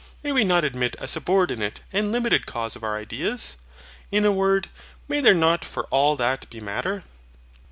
May we not admit a subordinate and limited cause of our ideas? In a word, may there not for all that be MATTER?